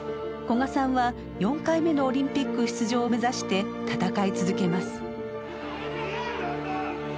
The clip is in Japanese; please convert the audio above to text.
古賀さんは４回目のオリンピック出場を目指して闘い続けます。